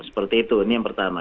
seperti itu ini yang pertama